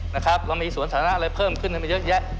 นะครับเรามีสวนศาลหน้าอะไรเพิ่มขึ้นมาเยอะแยะ